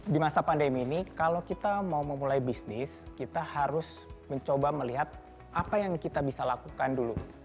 di masa pandemi ini kalau kita mau memulai bisnis kita harus mencoba melihat apa yang kita bisa lakukan dulu